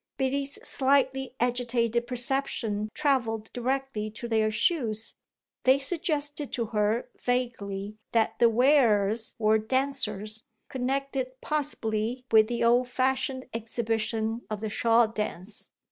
Biddy's slightly agitated perception travelled directly to their shoes: they suggested to her vaguely that the wearers were dancers connected possibly with the old fashioned exhibition of the shawl dance.